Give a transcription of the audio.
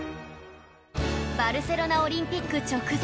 バルセロナオリンピック直前